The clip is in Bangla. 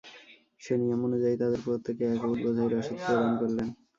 সে নিয়ম অনুযায়ী তাদের প্রত্যেককে এক উট বোঝাই রসদ প্রদান করলেন।